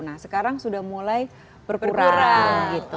nah sekarang sudah mulai berkurang gitu